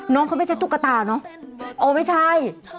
น้องเขาไม่ใช่ตุ๊กตาเนาะ